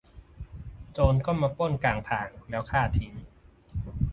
โจรก็มาปล้นกลางทางแล้วฆ่าทั้ง